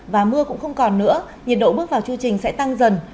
và mưa cũng không còn nữa nhiệt độ bước vào chưu trình sẽ tăng dần